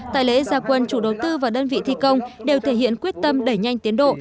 tại lễ gia quân chủ đầu tư và đơn vị thi công đều thể hiện quyết tâm đẩy nhanh tiến độ